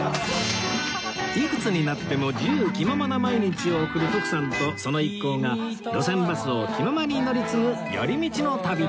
いくつになっても自由気ままな毎日を送る徳さんとその一行が路線バスを気ままに乗り継ぐ寄り道の旅